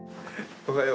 おはよう。